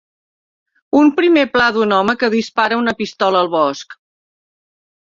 Un primer pla d'un home que dispara una pistola al bosc.